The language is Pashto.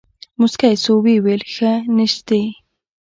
موسکى سو ويې ويل سه نيشتې.